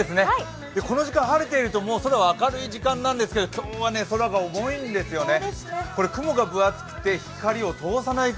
この時間晴れていると空は明るい時間なんですが今日は空が重いんですよね。